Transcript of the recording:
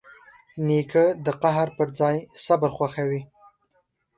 نیکه د قهر پر ځای صبر خوښوي.